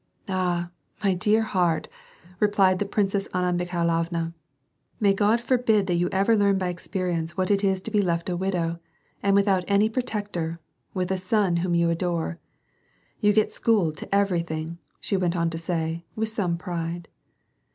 " Ah ! my dear heart," replied the Princess Anna Mikhailovna, " May God forbid that you ever learn by experience what it is to he left a widow, and without any protector, with a son whom you adore. You get schooled to everything," she* went on to say, with some pride.